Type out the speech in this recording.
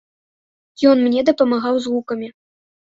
Ён мне дапамагаў з гукамі.